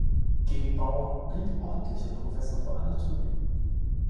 Gegenbaur blieb ordentlicher Professor für Anatomie.